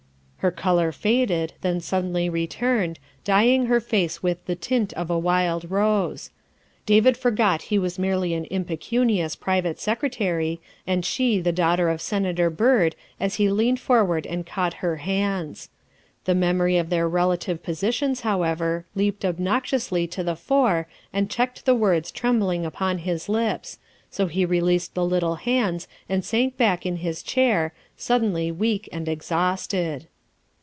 Her color faded, then suddenly returned, dying her face with the tint of a wild rose. David forgot he was merely an impecunious private secretary and she the daughter of Senator Byrd as he leaned forward and caught her hands. The memory of their relative posi tions, however, leaped obnoxiously to the fore and checked the words trembling upon his lips, so he released the little hands and sank back in his chair, suddenly weak and exhausted.